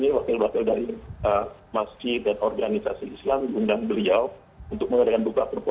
di sini wakil wakil dari masjid dan organisasi islam diundang beliau untuk mengadakan buka puasa pertama pak